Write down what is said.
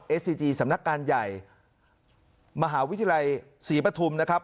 ซีจีสำนักการใหญ่มหาวิทยาลัยศรีปฐุมนะครับ